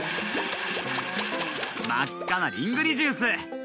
まっかなリングリジュース。